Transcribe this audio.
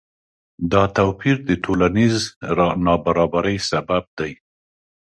دا توپیر د ټولنیز نابرابری سبب دی.